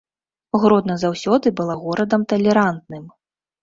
Гродна заўсёды была горадам талерантным.